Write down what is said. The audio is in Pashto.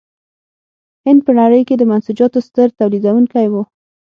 هند په نړۍ کې د منسوجاتو ستر تولیدوونکی و.